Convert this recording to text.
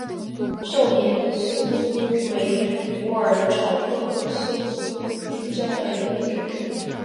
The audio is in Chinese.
少花溲疏为虎耳草科溲疏属下的一个变种。